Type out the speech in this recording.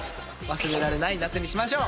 忘れられない夏にしましょう！